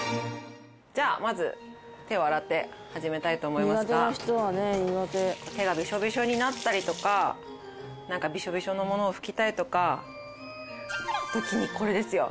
じゃあまず手を洗って始めたいと思いますが手がビショビショになったりとかなんかビショビショのものを拭きたいとかって時にこれですよ！